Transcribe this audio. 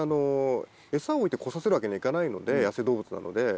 餌を置いて来させるわけにはいかないので野生動物なので。